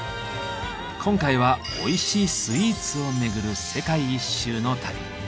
今回はおいしいスイーツを巡る世界一周の旅。